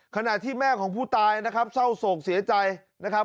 ขณะที่แม่ของผู้ตายนะครับเศร้าโศกเสียใจนะครับ